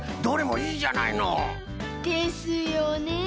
どれもいいじゃないの。ですよね。